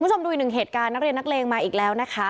คุณผู้ชมดูอีกหนึ่งเหตุการณ์นักเรียนนักเลงมาอีกแล้วนะคะ